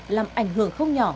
làm ảnh hưởng không nhỏ